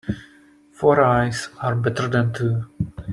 Four eyes are better than two.